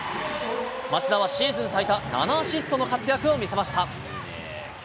町田はシーズン最多７アシストの活躍を見せました。